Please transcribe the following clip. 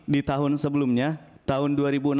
di tahun sebelumnya tahun